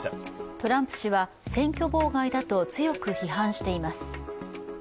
トランプ氏は選挙妨害だと強く非難しています。